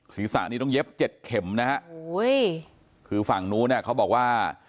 ศีรษะนี้ต้องเย็บเจ็ดเข็มนะฮะโอ้ยคือฝั่งนู้นเนี่ยเขาบอกว่า